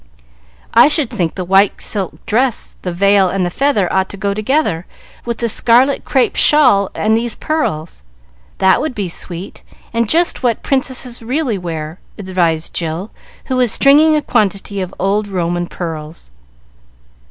"I should think the white silk dress, the veil, and the feather ought to go together, with the scarlet crape shawl and these pearls. That would be sweet, and just what princesses really wear," advised Jill, who was stringing a quantity of old Roman pearls.